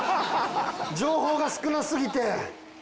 情報が少なすぎて。